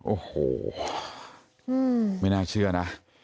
โอ้โหไม่น่าเชื่อนะ